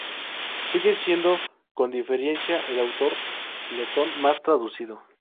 Sigue siendo con diferencia el autor letón más traducido.